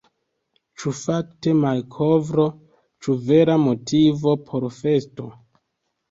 Ĉu fakte malkovro, ĉu vera motivo por festo?